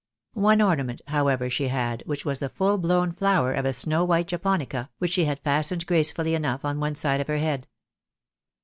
One ornament, how ever, she had, which was the full blown flower of a snow white Japonica, which she had fastened gracefully enough on one side of her head.